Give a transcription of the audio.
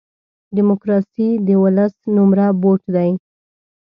ډیموکراسي دولس نمره بوټ دی.